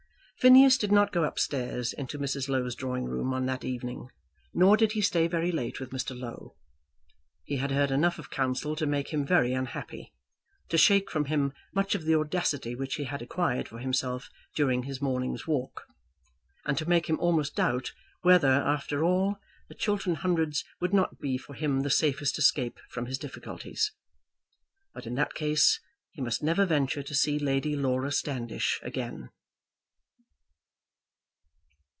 Phineas did not go up stairs into Mrs. Low's drawing room on that evening, nor did he stay very late with Mr. Low. He had heard enough of counsel to make him very unhappy, to shake from him much of the audacity which he had acquired for himself during his morning's walk, and to make him almost doubt whether, after all, the Chiltern Hundreds would not be for him the safest escape from his difficulties. But in that case he must never venture to see Lady Laura Standish again.